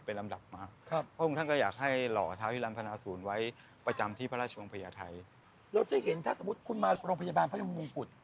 เราจะเห็นถ้าสมมุติคุณมาโรงพยาบาลพระยุมงกุฎ